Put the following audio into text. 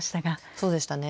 そうでしたね。